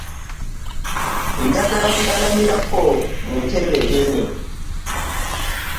Njagala kugalamirako mu ntebe ennene.